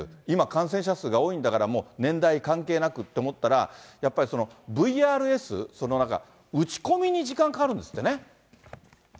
今感染者数が多いんだから、年代関係なくって思ったら、やっぱりＶＲＳ、打ち込みに時間かかるんですってね。